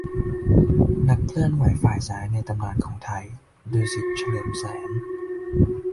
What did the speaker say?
นักเคลื่อนไหวฝ่ายซ้ายในตำนานของไทย : ดุสิต เฉลิมแสน